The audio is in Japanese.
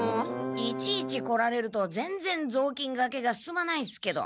いちいち来られるとぜんぜんぞうきんがけが進まないんすけど。